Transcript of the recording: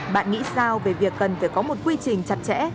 bạn nghĩ sao về việc cần phải có một quy trình chặt chẽ